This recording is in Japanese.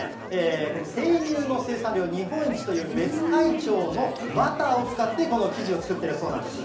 この生乳の生産量日本一という別海町のバターを使って、この生地を作ってるそうなんです。